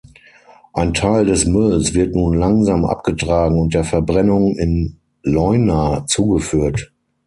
Ein Teil des Mülls wird nun langsam abgetragen und der Verbrennung in Leuna zugeführt.